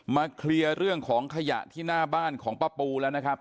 เคลียร์เรื่องของขยะที่หน้าบ้านของป้าปูแล้วนะครับ